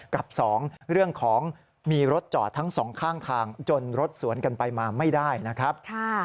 กับ๒เรื่องของมีรถจอดทั้งสองข้างทางจนรถสวนกันไปมาไม่ได้นะครับ